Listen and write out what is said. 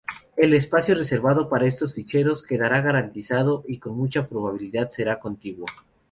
El espacio reservado para estos ficheros quedará garantizado y con mucha probabilidad será contiguo.